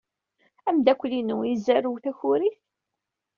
Ameddakel-inu izerrew takurit?